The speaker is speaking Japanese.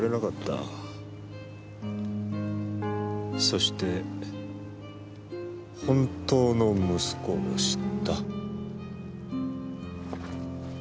そして本当の息子を知った。